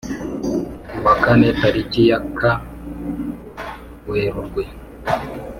ku wa kane tariki ya kae werurwe